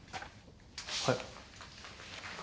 はい。